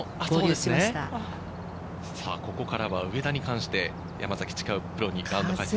ここからは上田に関して山崎千佳代プロにラウンド解説。